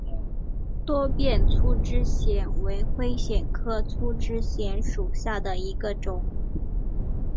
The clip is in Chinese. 多变粗枝藓为灰藓科粗枝藓属下的一个种。